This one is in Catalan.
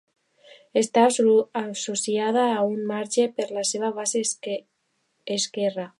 Està associada a un marge per la seva base esquerra.